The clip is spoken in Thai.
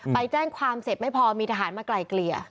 ไปแจ้งความเสร็จไม่พอมีทหารมาไกลเกลี่ย